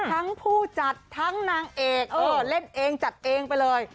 ทั้งผู้จัดทั้งนางเอกเล่นเองจัดเองไปเลย